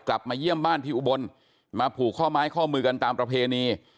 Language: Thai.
กลับมาเยี่ยมบ้านที่อุบลมาผูกข้อไม้ข้อมือกันตามประเพณี